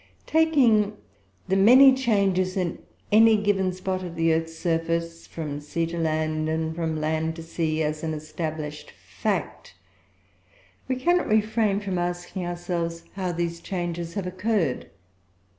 Taking the many changes of any given spot of the earth's surface, from sea to land and from land to sea, as an established fact, we cannot refrain from asking ourselves how these changes have occurred.